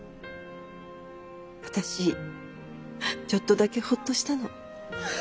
私ちょっとだけほっとしたの。